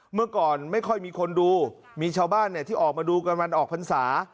เมื่อก่อนไม่ค่อยมีคนดูมีชาวบ้านที่ออกมาดูกันวันออกพรรษา